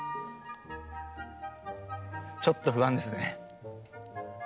ちょっと不安ですね。